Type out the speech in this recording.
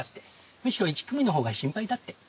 むしろ１組のほうが心配だって。